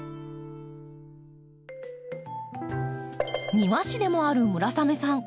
庭師でもある村雨さん。